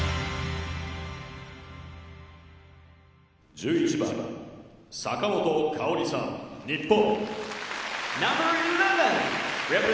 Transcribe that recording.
「１１番坂本花織さん日本」。